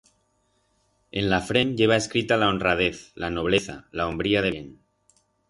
En la frent lleva escrita la honradez, la nobleza, la hombría de bien.